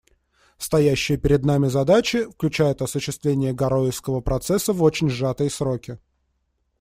Стоящие перед нами задачи включают осуществление «Гароуэсского процесса» в очень сжатые сроки.